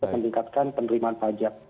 meningkatkan penerimaan pajak